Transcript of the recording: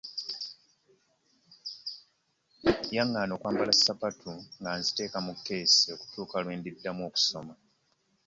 Yangaana okwambala ssapatu nga nziteeka mu keesi okutuuka lwe ndiddamu okusoma.